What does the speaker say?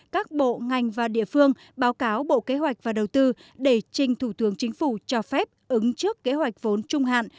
các bộ ngành và địa phương báo cáo bộ kế hoạch và đầu tư để trình thủ tướng chính phủ cho phép ứng trước kế hoạch vốn trung hạn